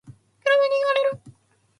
車に轢かれる